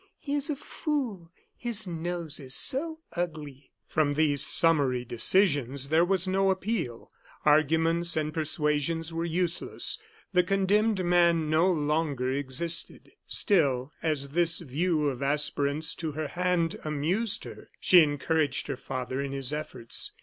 He is a fool his nose is so ugly." From these summary decisions there was no appeal. Arguments and persuasions were useless. The condemned man no longer existed. Still, as this view of aspirants to her hand amused her, she encouraged her father in his efforts.